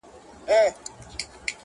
څنګه دا کور او دا جومات او دا قلا سمېږي.!